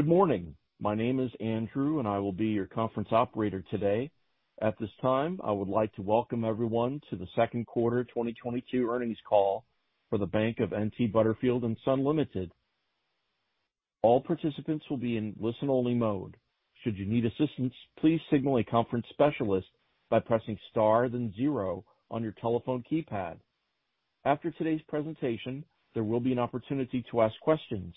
Good morning. My name is Andrew, and I will be your conference operator today. At this time, I would like to welcome everyone to the Q2 2022 earnings call for The Bank of N.T. Butterfield & Son Limited. All participants will be in listen-only mode. Should you need assistance, please signal a conference specialist by pressing star then zero on your telephone keypad. After today's presentation, there will be an opportunity to ask questions.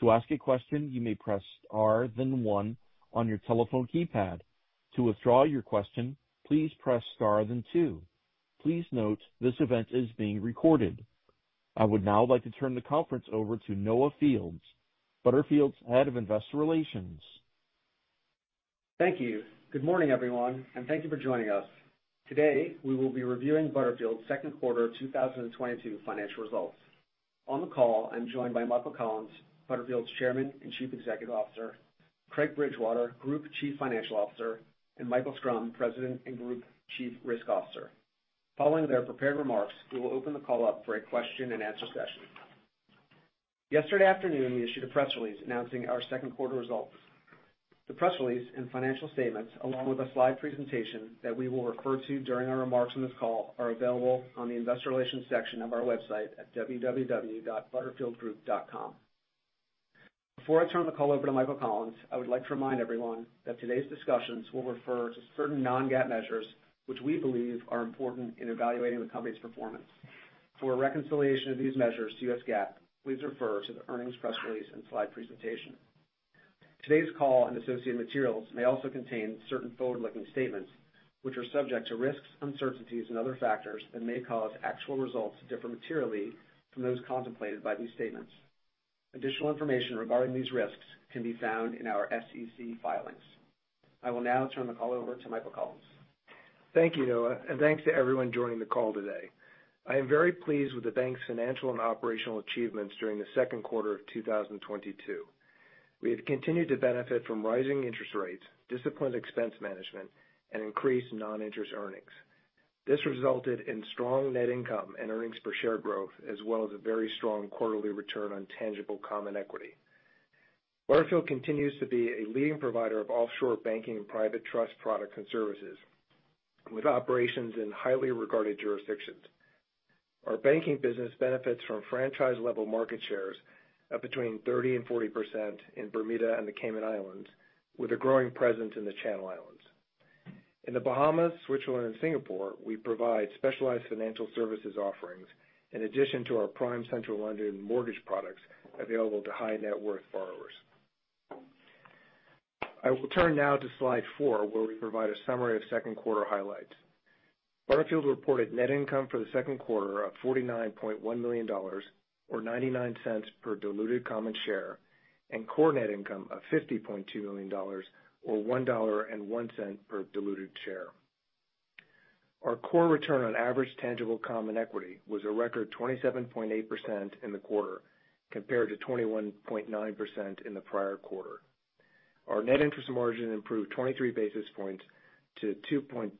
To ask a question, you may press star then one on your telephone keypad. To withdraw your question, please press star then two. Please note this event is being recorded. I would now like to turn the conference over to Noah Fields, Butterfield's Head of Investor Relations. Thank you. Good morning, everyone, and thank you for joining us. Today, we will be reviewing Butterfield's Q2 2022 financial results. On the call, I'm joined by Michael Collins, Butterfield's Chairman and Chief Executive Officer, Craig Bridgewater, Group Chief Financial Officer, and Michael Schrum, President and Group Chief Risk Officer. Following their prepared remarks, we will open the call up for a question-and-answer session. Yesterday afternoon, we issued a press release announcing our Q2 results. The press release and financial statements, along with a slide presentation that we will refer to during our remarks on this call, are available on the investor relations section of our website at www.butterfieldgroup.com. Before I turn the call over to Michael Collins, I would like to remind everyone that today's discussions will refer to certain non-GAAP measures which we believe are important in evaluating the company's performance. For a reconciliation of these measures to U.S. GAAP, please refer to the earnings press release and slide presentation. Today's call and associated materials may also contain certain forward-looking statements which are subject to risks, uncertainties, and other factors that may cause actual results to differ materially from those contemplated by these statements. Additional information regarding these risks can be found in our SEC filings. I will now turn the call over to Michael Collins. Thank you, Noah, and thanks to everyone joining the call today. I am very pleased with the bank's financial and operational achievements during the Q2 of 2022. We have continued to benefit from rising interest rates, disciplined expense management, and increased non-interest earnings. This resulted in strong net income and earnings per share growth as well as a very strong quarterly return on tangible common equity. Butterfield continues to be a leading provider of offshore banking and private trust products and services with operations in highly regarded jurisdictions. Our banking business benefits from franchise-level market shares of between 30% and 40% in Bermuda and the Cayman Islands, with a growing presence in the Channel Islands. In the Bahamas, Switzerland, and Singapore, we provide specialized financial services offerings in addition to our prime central London mortgage products available to high-net-worth borrowers. I will turn now to slide 4, where we provide a summary of Q2 highlights. Butterfield reported net income for the Q2 of $49.1 million or $0.99 per diluted common share, and core net income of $50.2 million or $1.01 per diluted share. Our core return on average tangible common equity was a record 27.8% in the quarter, compared to 21.9% in the prior quarter. Our net interest margin improved 23 basis points to 2.26%,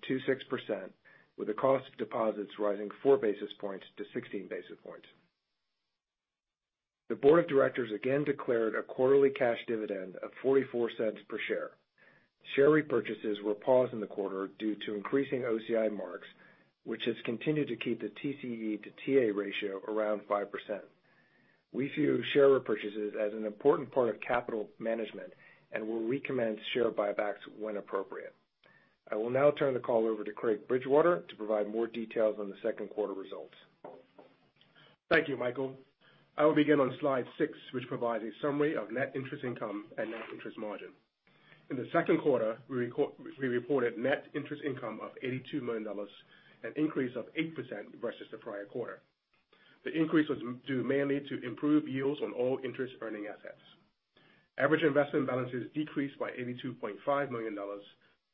with the cost of deposits rising 4 basis points to 16 basis points. The board of directors again declared a quarterly cash dividend of $0.44 per share. Share repurchases were paused in the quarter due to increasing OCI marks, which has continued to keep the TCE to TA ratio around 5%. We view share repurchases as an important part of capital management and will recommend share buybacks when appropriate. I will now turn the call over to Craig Bridgewater to provide more details on the Q2 results. Thank you, Michael. I will begin on slide six, which provides a summary of net interest income and net interest margin. In theQ2, we reported net interest income of $82 million, an increase of 8% versus the prior quarter. The increase was due mainly to improved yields on all interest earning assets. Average investment balances decreased by $82.5 million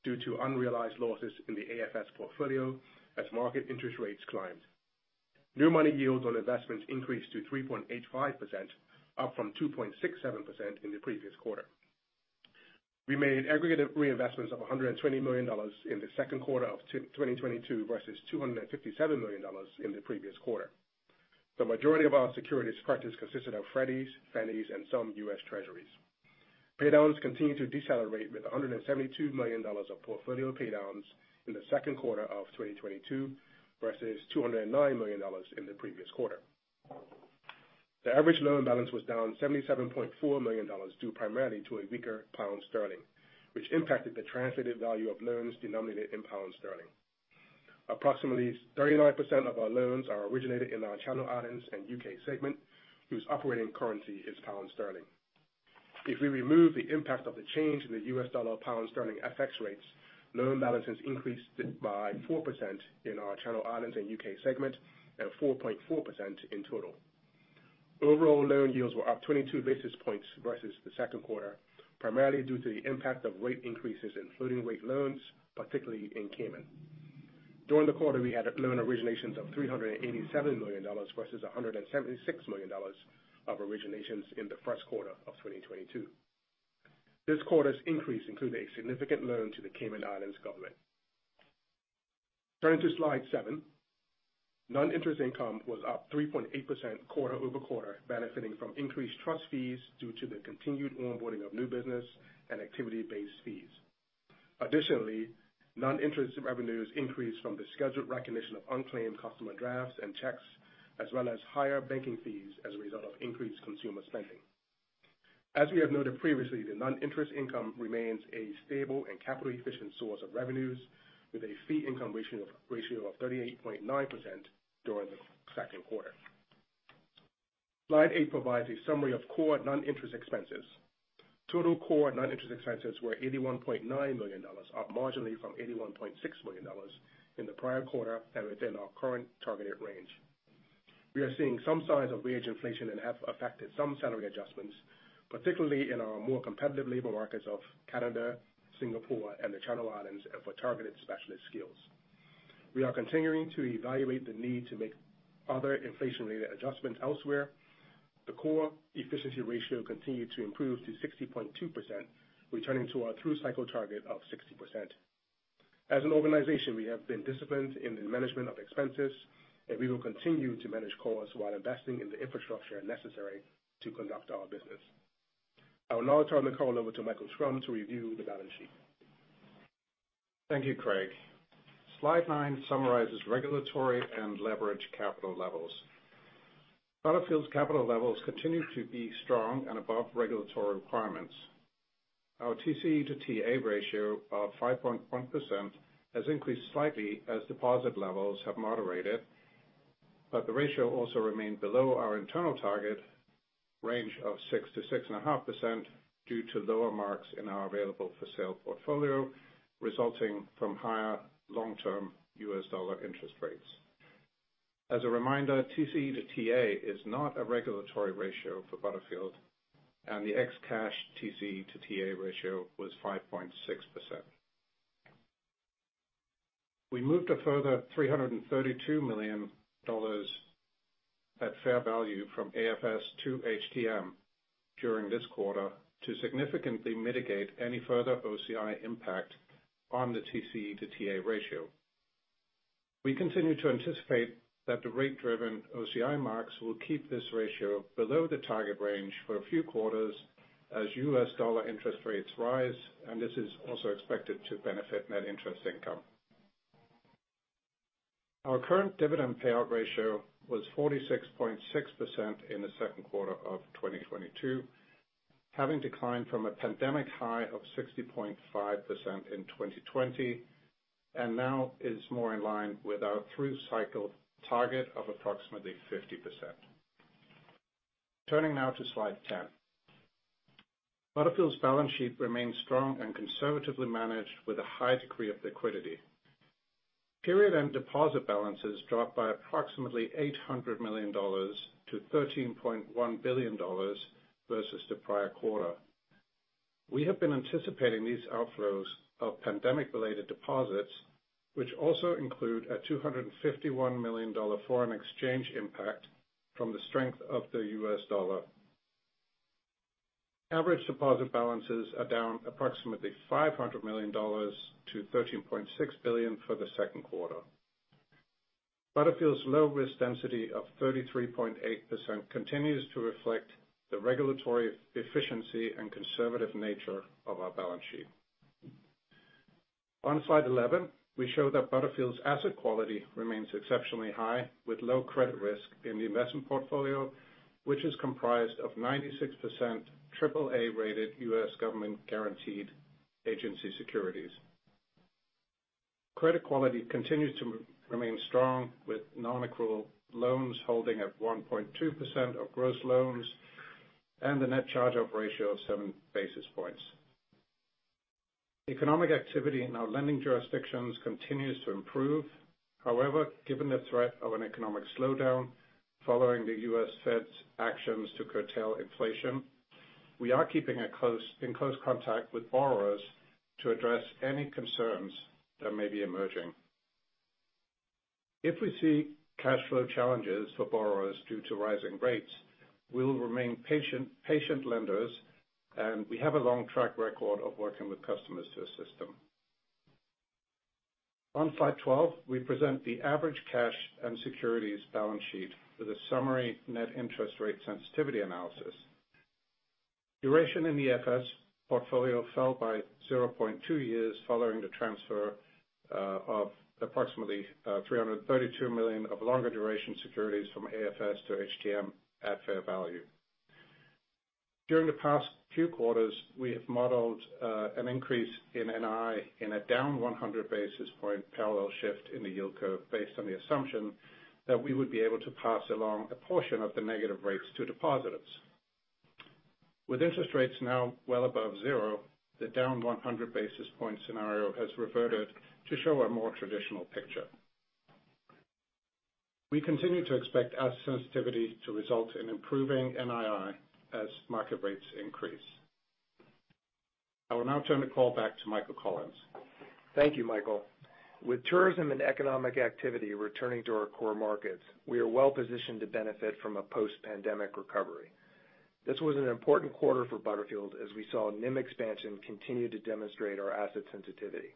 due to unrealized losses in the AFS portfolio as market interest rates climbed. New money yields on investments increased to 3.85%, up from 2.67% in the previous quarter. We made aggregated reinvestments of $120 million in the Q2 of 2022 versus $257 million in the previous quarter. The majority of our securities practice consisted of Freddies, Fannies, and some U.S. Treasuries. Paydowns continued to decelerate with $172 million of portfolio paydowns in the Q2 of 2022 versus $209 million in the previous quarter. The average loan balance was down $77.4 million due primarily to a weaker pound sterling, which impacted the translated value of loans denominated in pound sterling. Approximately 39% of our loans are originated in our Channel Islands and UK segment, whose operating currency is pound sterling. If we remove the impact of the change in the U.S. dollar pound sterling FX rates, loan balances increased by 4% in our Channel Islands and UK segment and 4.4% in total. Overall loan yields were up 22 basis points versus the Q2, primarily due to the impact of rate increases in floating-rate loans, particularly in Cayman. During the quarter, we had loan originations of $387 million versus $176 million of originations in the Q1 of 2022. This quarter's increase included a significant loan to the Cayman Islands Government. Turning to Slide 7. Non-interest income was up 3.8% quarter-over-quarter, benefiting from increased trust fees due to the continued onboarding of new business and activity-based fees. Additionally, non-interest revenues increased from the scheduled recognition of unclaimed customer drafts and checks, as well as higher banking fees as a result of increased consumer spending. As we have noted previously, the non-interest income remains a stable and capital efficient source of revenues, with a fee income ratio of 38.9% during the Q2. Slide 8 provides a summary of core non-interest expenses. Total core non-interest expenses were $81.9 million, up marginally from $81.6 million in the prior quarter, and within our current targeted range. We are seeing some signs of wage inflation and have affected some salary adjustments, particularly in our more competitive labor markets of Canada, Singapore, and the Channel Islands, and for targeted specialist skills. We are continuing to evaluate the need to make other inflation-related adjustments elsewhere. The core efficiency ratio continued to improve to 60.2%, returning to our through cycle target of 60%. As an organization, we have been disciplined in the management of expenses, and we will continue to manage costs while investing in the infrastructure necessary to conduct our business. I will now turn the call over to Michael Schrum to review the balance sheet. Thank you, Craig. Slide 9 summarizes regulatory and leverage capital levels. Butterfield's capital levels continue to be strong and above regulatory requirements. Our TCE to TA ratio of 5.1% has increased slightly as deposit levels have moderated, but the ratio also remained below our internal target range of 6%-6.5% due to lower marks in our available for sale portfolio, resulting from higher long-term US dollar interest rates. As a reminder, TCE to TA is not a regulatory ratio for Butterfield, and the ex cash TCE to TA ratio was 5.6%. We moved a further $332 million at fair value from AFS to HTM during this quarter to significantly mitigate any further OCI impact on the TCE to TA ratio. We continue to anticipate that the rate-driven OCI marks will keep this ratio below the target range for a few quarters as U.S. dollar interest rates rise, and this is also expected to benefit net interest income. Our current dividend payout ratio was 46.6% in the Q2 of 2022, having declined from a pandemic high of 60.5% in 2020, and now is more in line with our through cycle target of approximately 50%. Turning now to slide 10. Butterfield's balance sheet remains strong and conservatively managed with a high degree of liquidity. Period-end deposit balances dropped by approximately $800 million to $13.1 billion versus the prior quarter. We have been anticipating these outflows of pandemic-related deposits, which also include a $251 million foreign exchange impact from the strength of the U.S. dollar. Average deposit balances are down approximately $500 million to $13.6 billion for the Q2. Butterfield's low risk density of 33.8% continues to reflect the regulatory efficiency and conservative nature of our balance sheet. On slide 11, we show that Butterfield's asset quality remains exceptionally high with low credit risk in the investment portfolio, which is comprised of 96% AAA-rated U.S. government guaranteed agency securities. Credit quality continues to remain strong with non-accrual loans holding at 1.2% of gross loans and a net charge-off ratio of 7 basis points. Economic activity in our lending jurisdictions continues to improve. However, given the threat of an economic slowdown following the U.S. Fed's actions to curtail inflation, we are keeping in close contact with borrowers to address any concerns that may be emerging. If we see cash flow challenges for borrowers due to rising rates, we will remain patient lenders, and we have a long track record of working with customers to assist them. On slide 12, we present the average cash and securities balance sheet with a summary net interest rate sensitivity analysis. Duration in the AFS portfolio fell by 0.2 years following the transfer of approximately $332 million of longer duration securities from AFS to HTM at fair value. During the past few quarters, we have modeled an increase in NII in a down 100 basis points parallel shift in the yield curve based on the assumption that we would be able to pass along a portion of the negative rates to depositors. With interest rates now well above zero, the down 100 basis points scenario has reverted to show a more traditional picture. We continue to expect asset sensitivity to result in improving NII as market rates increase. I will now turn the call back to Michael Collins. Thank you, Michael. With tourism and economic activity returning to our core markets, we are well-positioned to benefit from a post-pandemic recovery. This was an important quarter for Butterfield as we saw NIM expansion continue to demonstrate our asset sensitivity.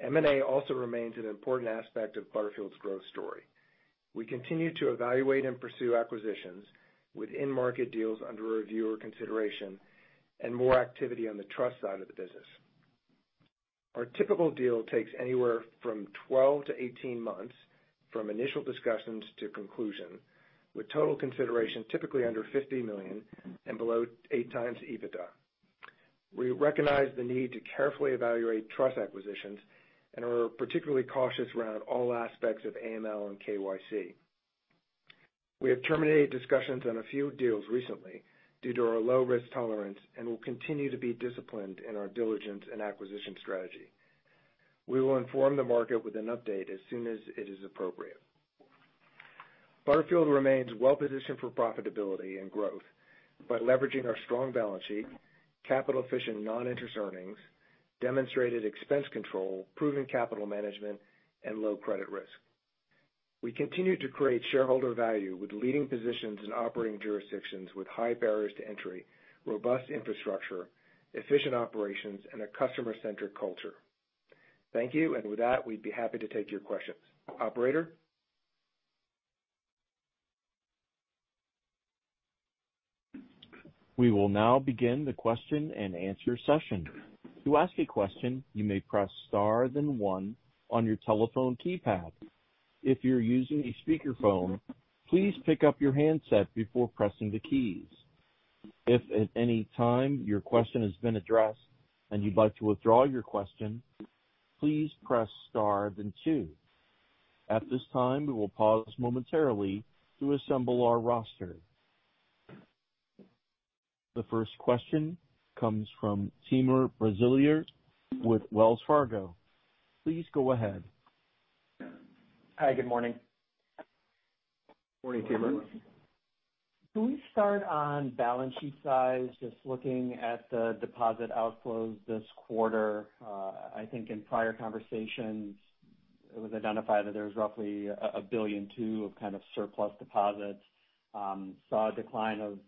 M&A also remains an important aspect of Butterfield's growth story. We continue to evaluate and pursue acquisitions with in-market deals under review or consideration and more activity on the trust side of the business. Our typical deal takes anywhere from 12-18 months from initial discussions to conclusion, with total consideration typically under $50 million and below 8x EBITDA. We recognize the need to carefully evaluate trust acquisitions and are particularly cautious around all aspects of AML and KYC. We have terminated discussions on a few deals recently due to our low risk tolerance and will continue to be disciplined in our diligence and acquisition strategy. We will inform the market with an update as soon as it is appropriate. Butterfield remains well-positioned for profitability and growth by leveraging our strong balance sheet, capital-efficient non-interest earnings, demonstrated expense control, proven capital management, and low credit risk. We continue to create shareholder value with leading positions in operating jurisdictions with high barriers to entry, robust infrastructure, efficient operations, and a customer-centric culture. Thank you. With that, we'd be happy to take your questions. Operator? We will now begin the question-and-answer session. To ask a question, you may press star then one on your telephone keypad. If you're using a speakerphone, please pick up your handset before pressing the keys. If at any time your question has been addressed and you'd like to withdraw your question, please press star then two. At this time, we will pause momentarily to assemble our roster. The first question comes from Timur Braziler with Wells Fargo. Please go ahead. Hi, good morning. Morning, Timur. Can we start on balance sheet size? Just looking at the deposit outflows this quarter, I think in prior conversations it was identified that there was roughly $1.2 billion of kind of surplus deposits. Saw a decline of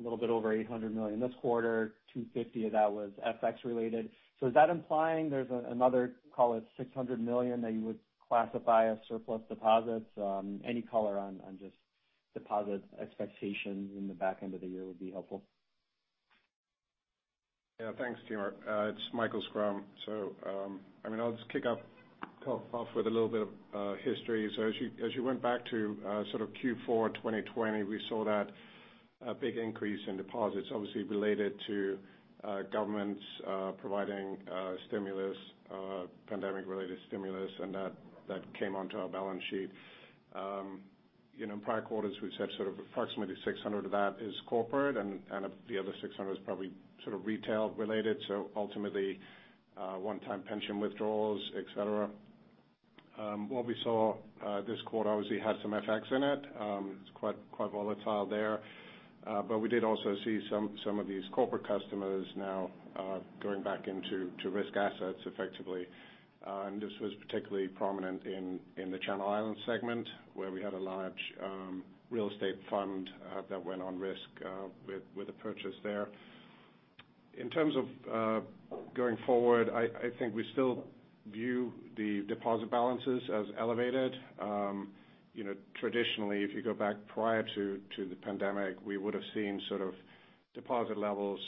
a little bit over $800 million this quarter, $250 of that was FX related. Is that implying there's another, call it $600 million that you would classify as surplus deposits? Any color on just deposit expectations in the back end of the year would be helpful. Yeah, thanks, Timur. It's Michael Schrum. I mean, I'll just kick off with a little bit of history. As you went back to sort of Q4 2020, we saw a big increase in deposits obviously related to governments providing stimulus, pandemic-related stimulus, and that came onto our balance sheet. You know, in prior quarters we've said sort of approximately $600 million of that is corporate and the other $600 million is probably sort of retail related, so ultimately one-time pension withdrawals, et cetera. What we saw this quarter obviously had some FX in it. It's quite volatile there. But we did also see some of these corporate customers now going back into risk assets effectively. This was particularly prominent in the Channel Islands segment, where we had a large real estate fund that went on risk with a purchase there. In terms of going forward, I think we still view the deposit balances as elevated. You know, traditionally, if you go back prior to the pandemic, we would have seen sort of deposit levels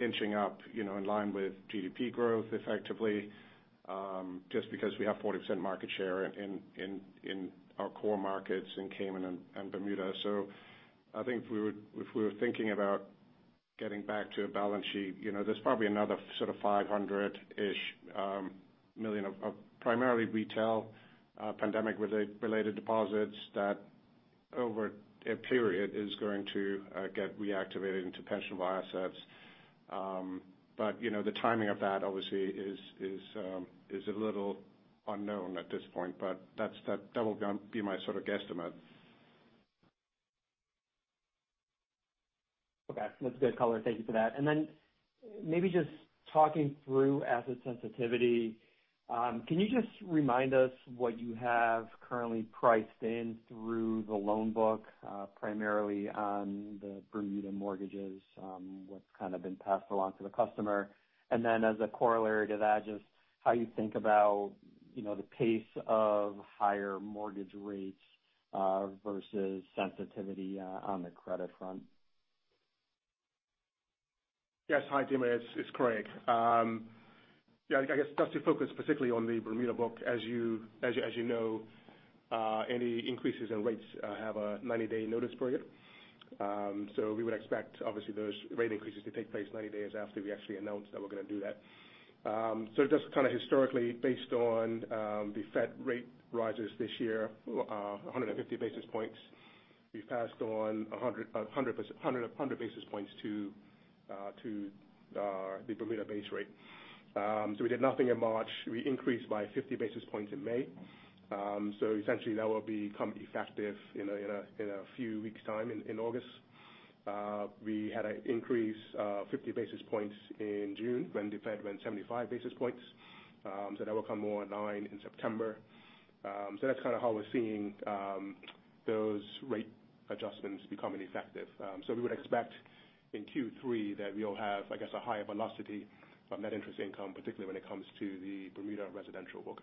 inching up, you know, in line with GDP growth effectively, just because we have 40% market share in our core markets in Cayman and Bermuda. I think if we were thinking about getting back to a balance sheet, you know, there's probably another sort of $500-ish million of primarily retail pandemic-related deposits that over a period is going to get reactivated into pensionable assets. You know, the timing of that obviously is a little unknown at this point, but that will be my sort of guesstimate. Okay. That's good color. Thank you for that. Maybe just talking through asset sensitivity, can you just remind us what you have currently priced in through the loan book, primarily on the Bermuda mortgages, what's kind of been passed along to the customer? As a corollary to that, just how you think about, you know, the pace of higher mortgage rates, versus sensitivity, on the credit front. Yes. Hi, Timur. It's Craig. Yeah, I guess just to focus specifically on the Bermuda book, as you know, any increases in rates have a 90-day notice period. So we would expect obviously those rate increases to take place 90 days after we actually announce that we're gonna do that. So just kind of historically, based on the Fed rate rises this year, 150 basis points, we've passed on 100 basis points to the Bermuda base rate. So we did nothing in March. We increased by 50 basis points in May. So essentially that will become effective in a few weeks' time in August. We had an increase, 50 basis points in June when the Fed went 75 basis points. That will come more online in September. That's kinda how we're seeing those rate adjustments becoming effective. We would expect in Q3 that we'll have, I guess, a higher velocity of net interest income, particularly when it comes to the Bermuda residential book.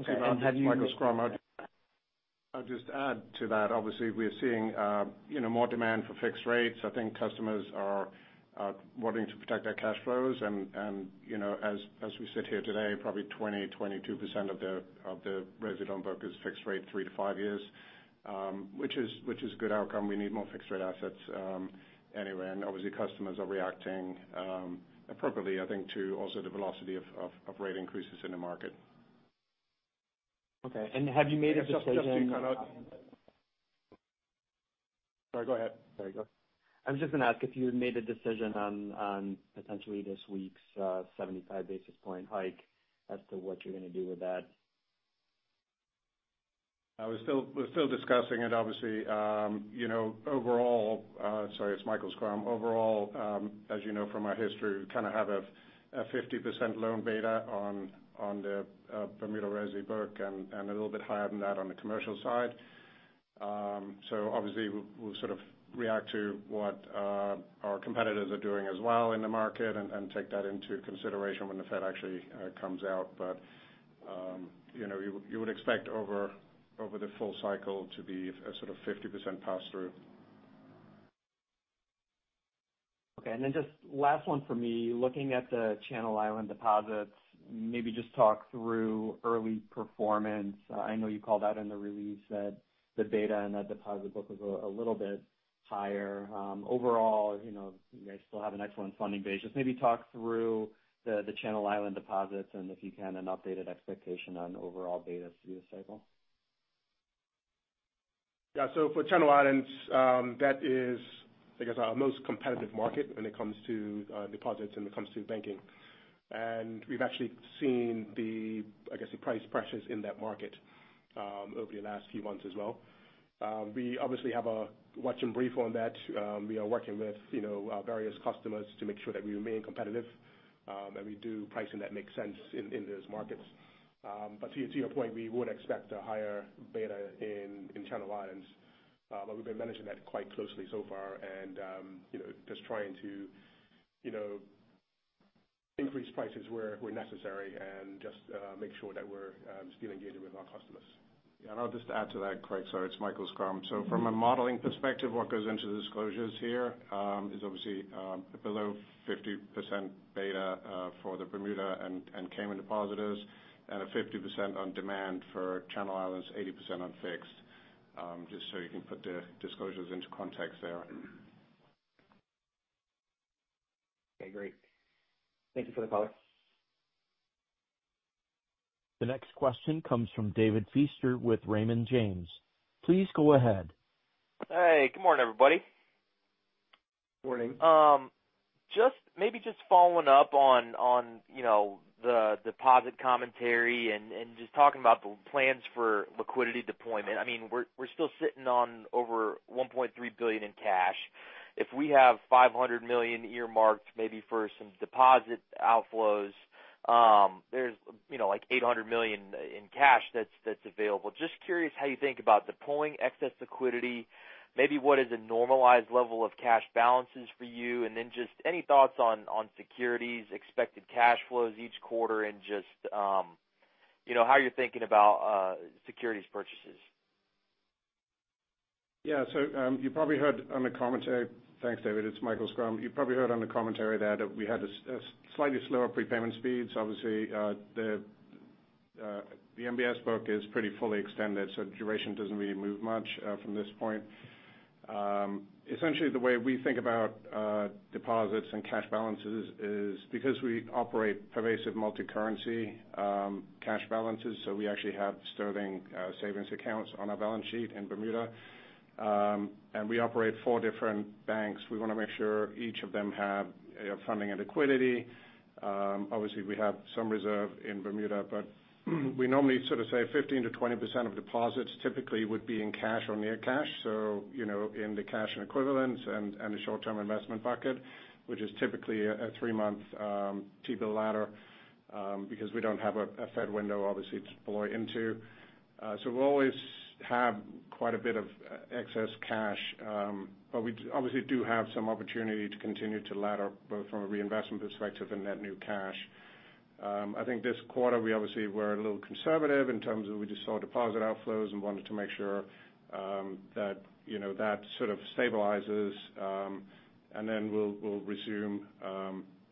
Okay. Have you- This is Michael Schrum. I'll just add to that. Obviously, we're seeing you know, more demand for fixed rates. I think customers are wanting to protect their cash flows and you know, as we sit here today, probably 22% of the resi loan book is fixed rate 3-5 years, which is a good outcome. We need more fixed rate assets, anyway. Obviously customers are reacting appropriately I think to also the velocity of rate increases in the market. Okay. Have you made a decision? Just to kind of. Sorry, go ahead. There you go. I was just gonna ask if you had made a decision on potentially this week's, 75 basis point hike as to what you're gonna do with that. We're still discussing it obviously. You know, overall, sorry, it's Michael Schrum. Overall, as you know from our history, we kinda have a 50% loan beta on the Bermuda resi book and a little bit higher than that on the commercial side. Obviously we'll sort of react to what our competitors are doing as well in the market and take that into consideration when the Fed actually comes out. You know, you would expect over the full cycle to be a sort of 50% pass-through. Just last one for me. Looking at the Channel Islands deposits, maybe just talk through early performance. I know you called out in the release that the beta and that deposit book was a little bit higher. Overall, you know, you guys still have an excellent funding base. Just maybe talk through the Channel Islands deposits, and if you can, an updated expectation on overall betas through the cycle. Yeah. For Channel Islands, that is, I guess, our most competitive market when it comes to deposits and when it comes to banking. We've actually seen the, I guess, the price pressures in that market over the last few months as well. We obviously have a watch and brief on that. We are working with you know our various customers to make sure that we remain competitive and we do pricing that makes sense in those markets. To your point, we would expect a higher beta in Channel Islands, but we've been managing that quite closely so far and you know just trying to you know increase prices where necessary and just make sure that we're still engaging with our customers. Yeah, I'll just add to that, Craig. Sorry, it's Michael Schrum. From a modeling perspective, what goes into the disclosures here is obviously below 50% beta for the Bermuda and Cayman depositors and a 50% on demand for Channel Islands, 80% on fixed, just so you can put the disclosures into context there. Okay, great. Thank you for the color. The next question comes from David Feaster with Raymond James. Please go ahead. Hey, good morning, everybody. Morning. Morning. Maybe just following up on you know the deposit commentary and just talking about the plans for liquidity deployment. I mean, we're still sitting on over $1.3 billion in cash. If we have $500 million earmarked maybe for some deposit outflows, there's you know like $800 million in cash that's available. Just curious how you think about deploying excess liquidity. Maybe what is a normalized level of cash balances for you? Just any thoughts on securities, expected cash flows each quarter and just you know how you're thinking about securities purchases. Yeah. You probably heard on the commentary. Thanks, David. It's Michael Schrum. You probably heard on the commentary that we had slightly slower prepayment speeds. Obviously, the MBS book is pretty fully extended, so duration doesn't really move much from this point. Essentially, the way we think about deposits and cash balances is because we operate pervasive multicurrency cash balances, so we actually have sterling savings accounts on our balance sheet in Bermuda. We operate four different banks. We wanna make sure each of them have, you know, funding and liquidity. Obviously we have some reserve in Bermuda, but we normally sort of say 15%-20% of deposits typically would be in cash or near cash. You know, in the cash and equivalents and the short-term investment bucket, which is typically a three-month T-bill ladder, because we don't have a Fed window obviously to deploy into. We'll always have quite a bit of excess cash, but we obviously do have some opportunity to continue to ladder both from a reinvestment perspective and net new cash. I think this quarter we obviously were a little conservative in terms of we just saw deposit outflows and wanted to make sure that you know that sort of stabilizes, and then we'll resume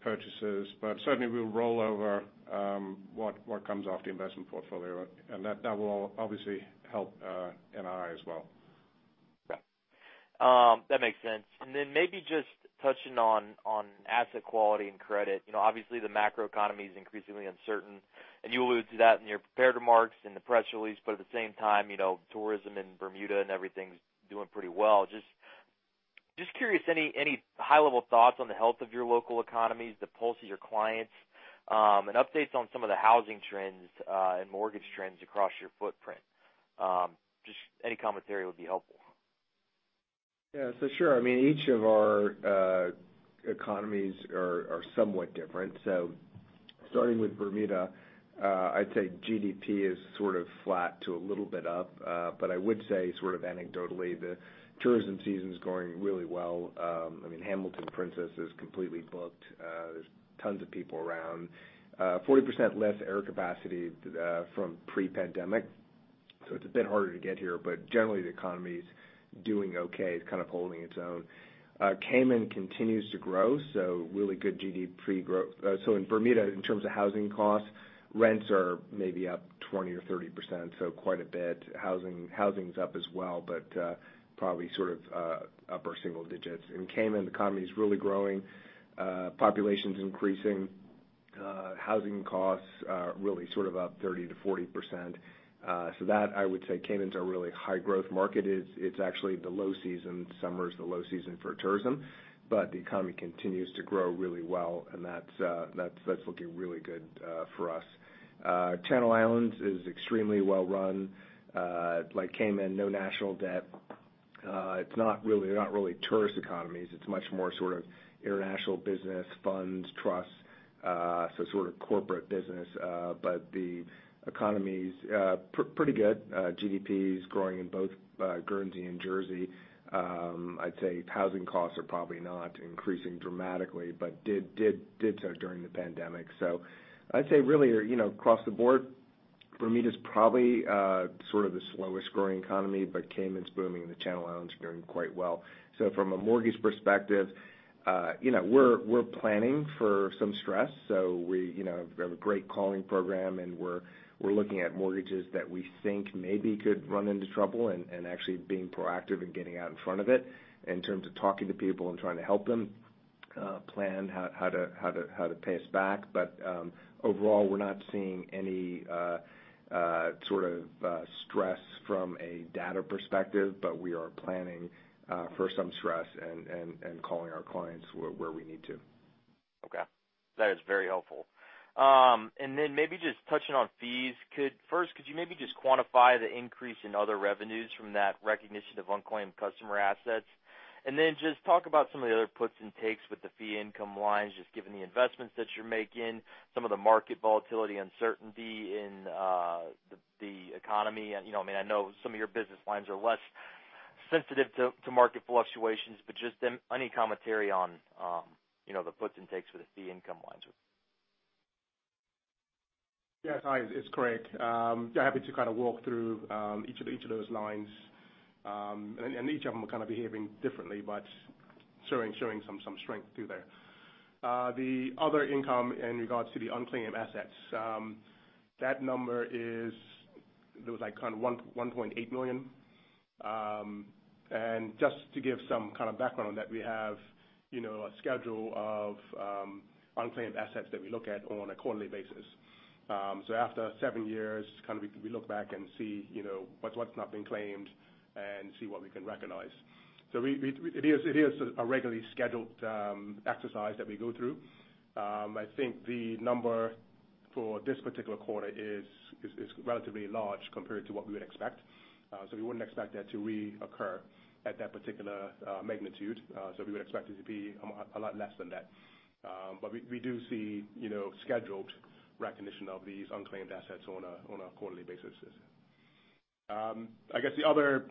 purchases. But certainly we'll roll over what comes off the investment portfolio, and that will obviously help NII as well. Got it. That makes sense. Maybe just touching on asset quality and credit. You know, obviously the macro economy is increasingly uncertain, and you alluded to that in your prepared remarks in the press release. At the same time, you know, tourism in Bermuda and everything's doing pretty well. Just curious, any high-level thoughts on the health of your local economies, the pulse of your clients, and updates on some of the housing trends and mortgage trends across your footprint. Just any commentary would be helpful. Yeah. Sure. I mean, each of our economies are somewhat different. Starting with Bermuda, I'd say GDP is sort of flat to a little bit up. I would say sort of anecdotally, the tourism season's going really well. I mean, Hamilton Princess is completely booked. There's tons of people around. 40% less air capacity from pre-pandemic, so it's a bit harder to get here. Generally, the economy's doing okay. It's kind of holding its own. Cayman continues to grow, so really good GDP growth. In Bermuda, in terms of housing costs, rents are maybe up 20% or 30%, so quite a bit. Housing's up as well, but probably sort of upper single digits%. In Cayman, the economy's really growing, population's increasing, housing costs are really sort of up 30%-40%. That, I would say, Cayman's a really high growth market. It's actually the low season. Summer is the low season for tourism, but the economy continues to grow really well, and that's looking really good for us. Channel Islands is extremely well-run. Like Cayman, no national debt. They're not really tourist economies. It's much more sort of international business funds, trusts, so sort of corporate business. The economy's pretty good. GDP is growing in both Guernsey and Jersey. I'd say housing costs are probably not increasing dramatically, but did so during the pandemic. I'd say really, you know, across the board, Bermuda's probably sort of the slowest growing economy, but Cayman's booming, and the Channel Islands are doing quite well. From a mortgage perspective, you know, we're planning for some stress. We, you know, have a great calling program, and we're looking at mortgages that we think maybe could run into trouble and actually being proactive and getting out in front of it in terms of talking to people and trying to help them plan how to pay back. Overall, we're not seeing any sort of stress from a data perspective, but we are planning for some stress and calling our clients where we need to. Okay. That is very helpful. And then maybe just touching on fees, first, could you maybe just quantify the increase in other revenues from that recognition of unclaimed customer assets? And then just talk about some of the other puts and takes with the fee income lines, just given the investments that you're making, some of the market volatility, uncertainty in the economy. You know, I mean, I know some of your business lines are less sensitive to market fluctuations, but just any commentary on, you know, the puts and takes for the fee income lines. Yeah. Hi, it's Craig. Happy to kind of walk through each of those lines. Each of them are kind of behaving differently, but showing some strength too there. The other income in regards to the unclaimed assets, that number is. It was like kind of $1.8 million. Just to give some kind of background on that, we have, you know, a schedule of unclaimed assets that we look at on a quarterly basis. After seven years, kind of we look back and see, you know, what's not been claimed and see what we can recognize. It is a regularly scheduled exercise that we go through. I think the number for this particular quarter is relatively large compared to what we would expect. We wouldn't expect that to reoccur at that particular magnitude. We would expect it to be a lot less than that. We do see, you know, scheduled recognition of these unclaimed assets on a quarterly basis. I guess the other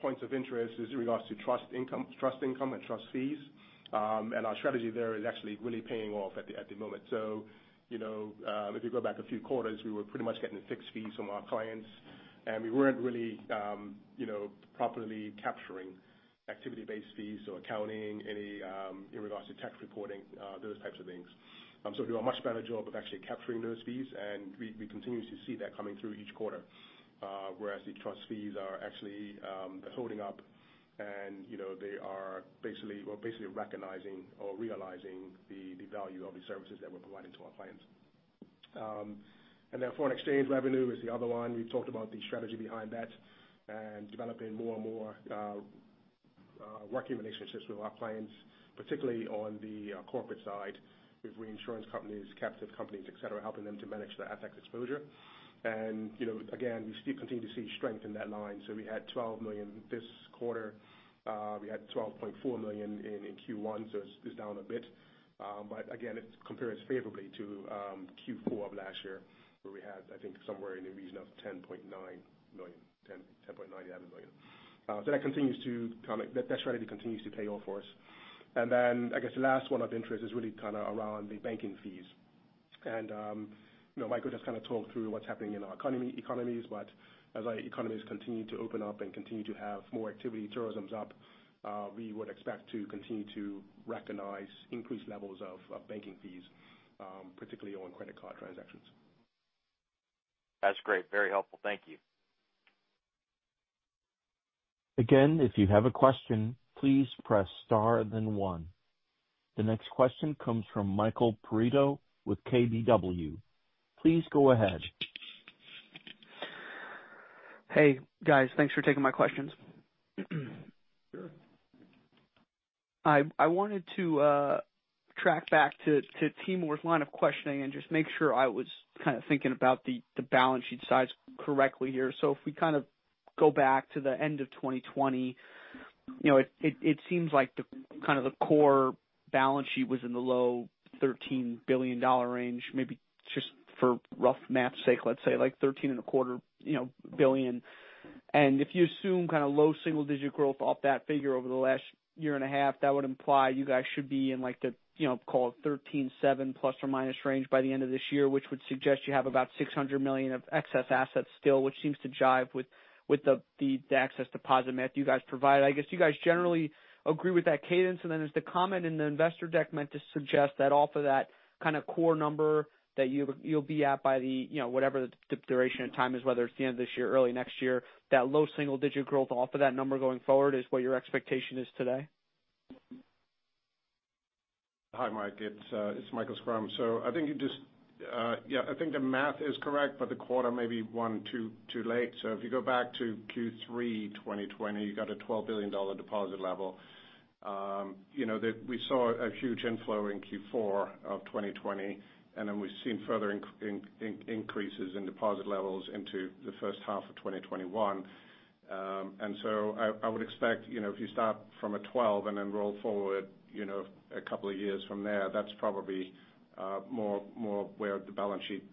points of interest is in regards to trust income and trust fees. Our strategy there is actually really paying off at the moment. You know, if you go back a few quarters, we were pretty much getting fixed fees from our clients, and we weren't really, you know, properly capturing activity-based fees or accounting any, in regards to tax reporting, those types of things. We do a much better job of actually capturing those fees, and we continue to see that coming through each quarter. Whereas the trust fees are actually holding up and, you know, we're basically recognizing or realizing the value of the services that we're providing to our clients. Foreign exchange revenue is the other one. We talked about the strategy behind that and developing more and more working relationships with our clients, particularly on the corporate side with reinsurance companies, captive companies, et cetera, helping them to manage their FX exposure. You know, again, we still continue to see strength in that line. We had $12 million this quarter. We had $12.4 million in Q1, so it's down a bit. It compares favorably to Q4 of last year, where we had, I think, somewhere in the region of $10.9 million, $11 million. That strategy continues to pay off for us. I guess the last one of interest is really kinda around the banking fees. You know, Michael just kind of talked through what's happening in our economies. As our economies continue to open up and continue to have more activity, tourism's up, we would expect to continue to recognize increased levels of banking fees, particularly on credit card transactions. That's great. Very helpful. Thank you. Again, if you have a question, please press star then one. The next question comes from Michael Perito with KBW. Please go ahead. Hey, guys. Thanks for taking my questions. Sure. I wanted to track back to Timur's line of questioning and just make sure I was kind of thinking about the balance sheet size correctly here. If we kind of go back to the end of 2020, you know, it seems like the core balance sheet was in the low $13 billion range, maybe just for rough math sake, let's say like $13.25 billion. If you assume kind of low single-digit growth off that figure over the last year and a half, that would imply you guys should be in like the, you know, call it 137 ± range by the end of this year, which would suggest you have about $600 million of excess assets still, which seems to jibe with the excess deposit math you guys provide. I guess you guys generally agree with that cadence, and then is the comment in the investor deck meant to suggest that off of that kind of core number that you'll be at by the, you know, whatever the duration of time is, whether it's the end of this year or early next year, that low single-digit growth off of that number going forward is what your expectation is today? Hi, Mike. It's Michael Schrum. I think the math is correct, but the quarter may be one too late. If you go back to Q3 2020, you got a $12 billion deposit level. We saw a huge inflow in Q4 of 2020, and then we've seen further increases in deposit levels into the first half of 2021. I would expect, you know, if you start from a 12 and then roll forward, you know, a couple of years from there, that's probably more where the balance sheet.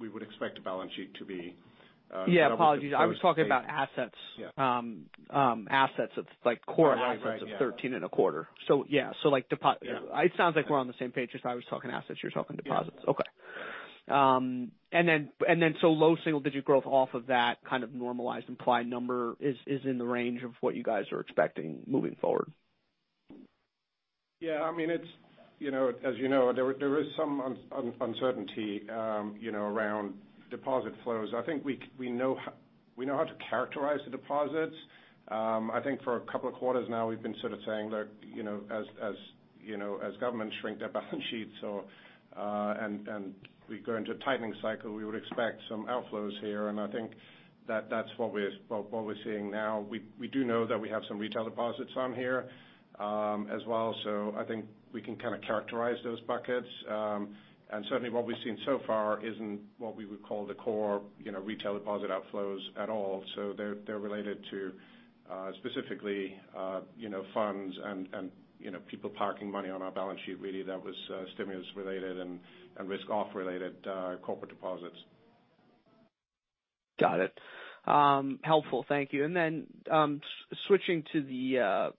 We would expect the balance sheet to be. Yeah, apologies. I was talking about assets. Yeah. Assets of like core Oh, right. Assets of $13.25. Yeah, so like depos- Yeah. It sounds like we're on the same page if I was talking assets, you're talking deposits. Yeah. Okay. Low single digit growth off of that kind of normalized implied number is in the range of what you guys are expecting moving forward. Yeah. I mean, it's, you know, as you know, there was some uncertainty, you know, around deposit flows. I think we know how to characterize the deposits. I think for a couple of quarters now, we've been sort of saying that, you know, as you know, as governments shrink their balance sheets or and we go into tightening cycle, we would expect some outflows here, and I think that's what we're seeing now. We do know that we have some retail deposits on here, as well, so I think we can kinda characterize those buckets. Certainly what we've seen so far isn't what we would call the core, you know, retail deposit outflows at all. They're related to specifically, you know, funds and, you know, people parking money on our balance sheet really that was stimulus related and risk off related corporate deposits. Got it. Helpful. Thank you. Switching to the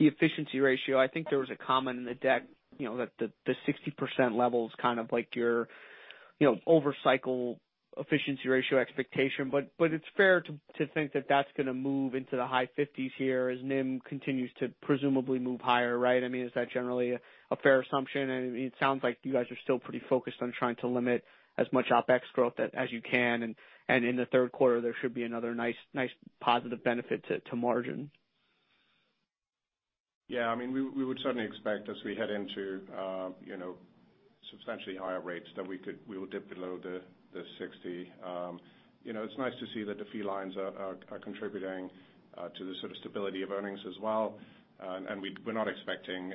efficiency ratio. I think there was a comment in the deck, you know, that the 60% level is kind of like your, you know, over cycle efficiency ratio expectation. It's fair to think that that's gonna move into the high 50s here as NIM continues to presumably move higher, right? I mean, is that generally a fair assumption? I mean, it sounds like you guys are still pretty focused on trying to limit as much OpEx growth as you can. In the Q3, there should be another nice positive benefit to margin. Yeah. I mean, we would certainly expect as we head into you know substantially higher rates that we would dip below the 60. You know, it's nice to see that the fee lines are contributing to the sort of stability of earnings as well. We're not expecting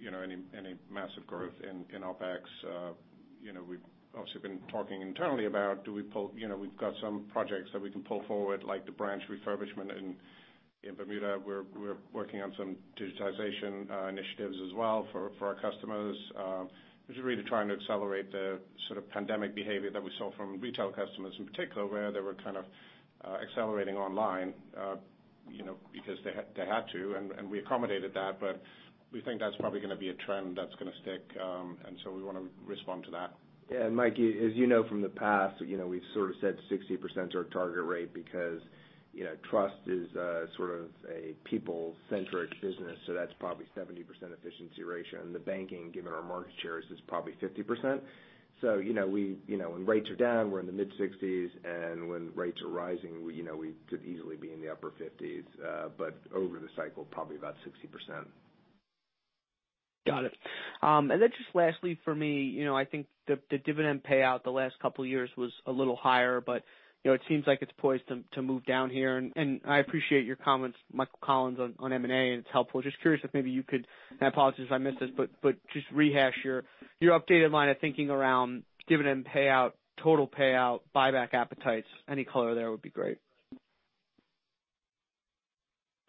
you know any massive growth in OpEx. You know, we've also been talking internally about do we pull. You know, we've got some projects that we can pull forward, like the branch refurbishment in Bermuda. We're working on some digitization initiatives as well for our customers, which is really trying to accelerate the sort of pandemic behavior that we saw from retail customers in particular, where they were kind of accelerating online, you know, because they had to, and we accommodated that. We think that's probably gonna be a trend that's gonna stick. We wanna respond to that. Yeah. Mike, as you know from the past, you know, we've sort of said 60% is our target rate because, you know, trust is sort of a people-centric business, so that's probably 70% efficiency ratio. The banking, given our market shares, is probably 50%. You know, when rates are down, we're in the mid-60s%, and when rates are rising, you know, we could easily be in the upper 50s%. Over the cycle, probably about 60%. Got it. Then just lastly for me, you know, I think the dividend payout the last couple of years was a little higher, but you know, it seems like it's poised to move down here. I appreciate your comments, Michael Collins, on M&A, and it's helpful. Just curious if maybe you could, and apologies if I missed this, but just rehash your updated line of thinking around dividend payout, total payout, buyback appetites. Any color there would be great.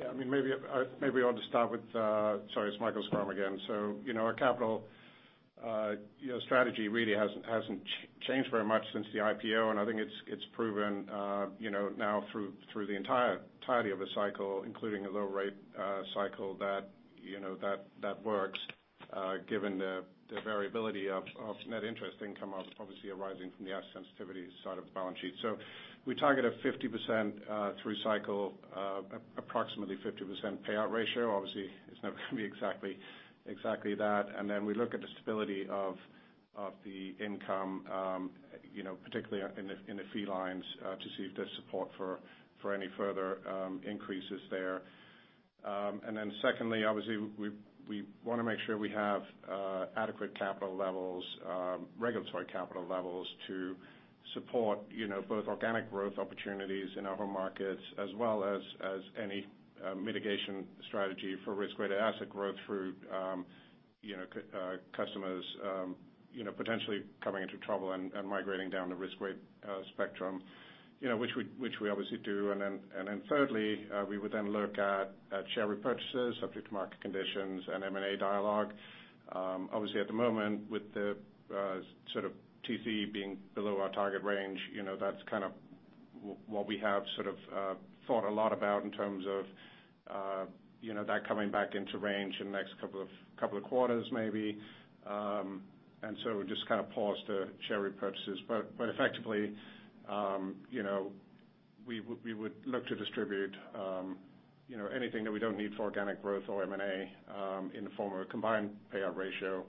Sorry, it's Michael Schrum again. Our capital strategy really hasn't changed very much since the IPO, and I think it's proven now through the entirety of a cycle, including a low rate cycle that works given the variability of net interest income obviously arising from the asset sensitivity side of the balance sheet. We target a 50% through cycle approximately 50% payout ratio. Obviously, it's never gonna be exactly that. Then we look at the stability of the income, particularly in the fee lines, to see if there's support for any further increases there. Secondly, obviously, we wanna make sure we have adequate capital levels, regulatory capital levels to support, you know, both organic growth opportunities in our markets as well as any mitigation strategy for risk-weighted asset growth through, you know, customers potentially coming into trouble and migrating down the risk weight spectrum. You know, which we obviously do. Thirdly, we would look at share repurchases subject to market conditions and M&A dialogue. Obviously at the moment with the sort of TCE being below our target range, you know, that's kind of what we have sort of thought a lot about in terms of, you know, that coming back into range in the next couple of quarters maybe. We just kinda paused share repurchases. But effectively, you know, we would look to distribute, you know, anything that we don't need for organic growth or M&A, in the form of a combined payout ratio,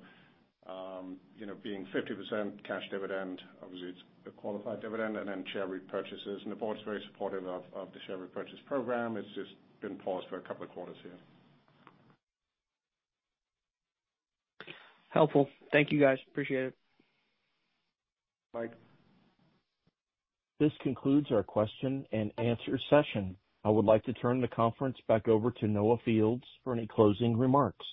you know, being 50% cash dividend, obviously it's a qualified dividend, and then share repurchases. The board's very supportive of the share repurchase program. It's just been paused for a couple of quarters here. Helpful. Thank you, guys. Appreciate it. Bye. This concludes our question and answer session. I would like to turn the conference back over to Noah Fields for any closing remarks.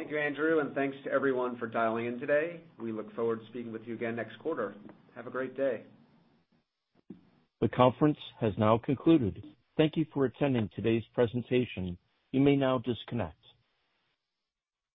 Thank you, Andrew, and thanks to everyone for dialing in today. We look forward to speaking with you again next quarter. Have a great day. The conference has now concluded. Thank you for attending today's presentation. You may now disconnect.